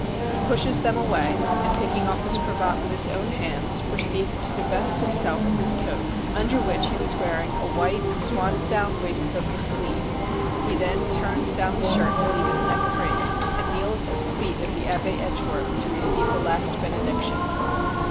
He pushes them away, and, taking off his cravat with his own hands, proceeds to divest himself of his coat, under which he was wearing a white swan's down waist coat with sleeves. He then turns down the shirt to leave his neck free, and kneels at the feet of the Abbe Edge worth to receive the last benediction.